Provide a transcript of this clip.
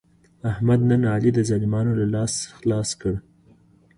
احمد نن علي د ظالمانو له لاس څخه خلاص کړ.